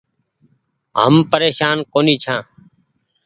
هم پريشان ڪونيٚ ڇآن۔